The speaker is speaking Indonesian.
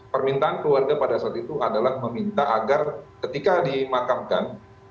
permintaan keluarga pada saat itu adalah meminta agar ketika dimakamkan